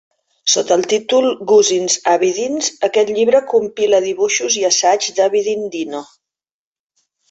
Sota el títol "Guzin's Abidins", aquest llibre compila dibuixos i assaigs d'Abidin Dino.